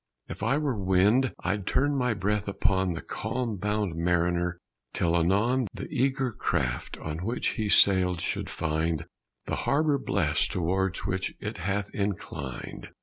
If I were wind I'd turn my breath upon The calm bound mariner until, anon, The eager craft on which he sailed should find The harbor blest towards which it hath inclined.